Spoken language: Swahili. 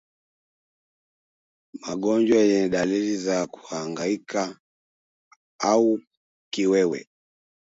Magonjwa yenye dalili za kuhangaika au kiwewe